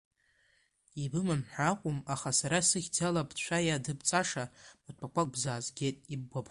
Ибымам ҳәа акәым, аха сара сыхьӡала бцәа иадыбҵаша маҭәақәак бзаазгеит, ибгәаԥхозар.